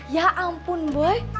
ya ampun boy